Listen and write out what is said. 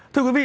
thưa quý vị